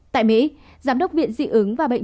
tại mỹ giám đốc viện dị ứng và bệnh